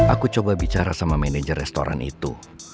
aku coba bicara sama manajer restoran itu